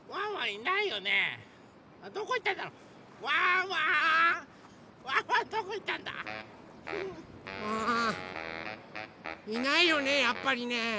いないよねやっぱりね。